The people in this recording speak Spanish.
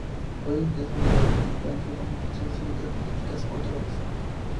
Hoy en día es lugar para diferentes manifestaciones cívicas, políticas y culturales.